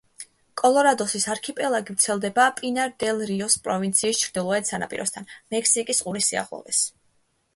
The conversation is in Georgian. კოლორადოსის არქიპელაგი ვრცელდება პინარ-დელ-რიოს პროვინციის ჩრდილოეთ სანაპიროსთან, მექსიკის ყურის სიახლოვეს.